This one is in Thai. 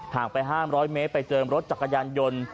ห่างไปห้ามร้อยเม้ไปเจอรถจักรยานยนต์